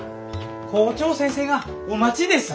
校長先生がお待ちです。